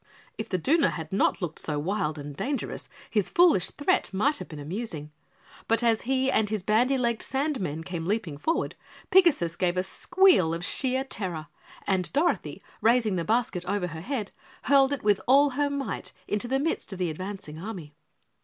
If the Dooner had not looked so wild and dangerous, his foolish threat might have been amusing, but as he and his bandy legged sandmen came leaping forward, Pigasus gave a squeal of sheer terror, and Dorothy, raising the basket over her head, hurled it with all her might into the midst of the advancing army.